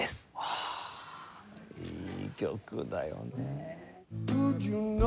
ああいい曲だよねえ。